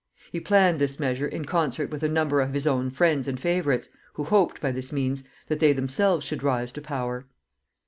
He planned this measure in concert with a number of his own friends and favorites, who hoped, by this means, that they themselves should rise to power.